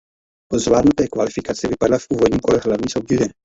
Po zvládnuté kvalifikaci vypadla v úvodním kole hlavní soutěže.